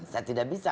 saya tidak bisa